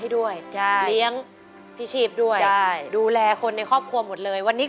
เดี๋ยวเอาอีกได้